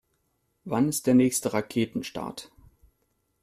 Wann ist der nächste Raketenstart?